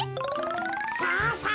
さあさあ